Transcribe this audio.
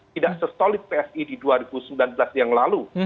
tidak sesolid psi di dua ribu sembilan belas yang lalu